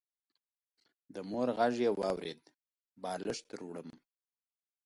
د مور غږ يې واورېد: بالښت دروړم.